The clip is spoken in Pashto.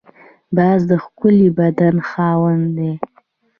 باز د ښکلي بدن خاوند دی